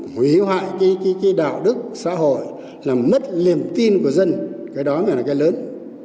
nguy hiểm hại cái đạo đức xã hội là mất liềm tin của dân cái đó là cái lớn